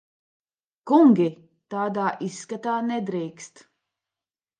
Kungi! Tādā izskatā nedrīkst.